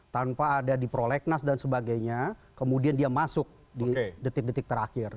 tanpa ada di prolegnas dan sebagainya kemudian dia masuk di detik detik terakhir